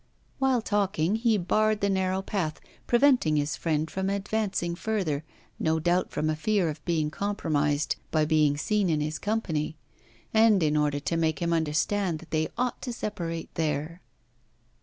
While talking, he barred the narrow path, preventing his friend from advancing further no doubt from a fear of being compromised by being seen in his company, and in order to make him understand that they ought to separate there.